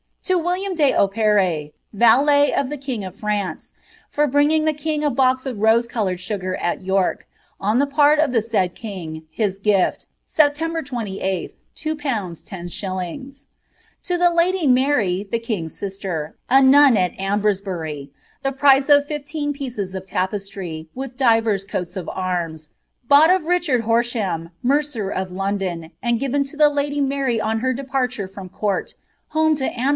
To William de Opere, valet of the king of France, for bringing dw king a box of rose coloured sugar at York, on the part of the nkl king, his gift, September 28th, two pounds ten shillings. To the hdf Manr, the king's sister, a nun at Ambresbury, the price of fifteen ptBces of tapestry, with divers coats of arms, bought of Richard Hor ■laai, mercer of London, and given to the lady Mary on her departure ihini court, home to Ambresbury, twenty six pounds.